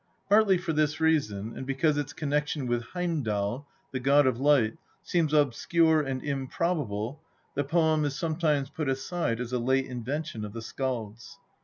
Partly for this reason, and because its connection with Heimdal, the god of light, seems obscure and improbable, the poem is sometimes put aside as a late invention of the skalds.